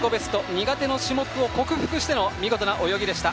苦手の種目を克服しての見事な泳ぎでした